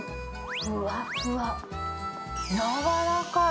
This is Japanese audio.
ふわふわ、やわらかい。